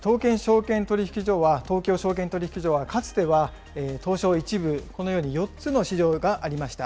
東京証券取引所は、かつては東証１部、このように４つの市場がありました。